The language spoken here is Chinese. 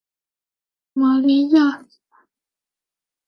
玛丽亚萨尔是奥地利克恩顿州克拉根福兰县的一个市镇。